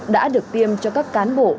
đã được tiêm cho các cán bộ